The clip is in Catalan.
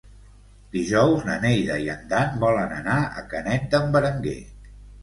Dijous na Neida i en Dan volen anar a Canet d'en Berenguer.